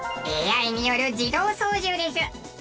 ＡＩによる自動操縦です。